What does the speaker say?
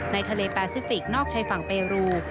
ในทะเลแปซิฟิกนอกชายฝั่งเปรู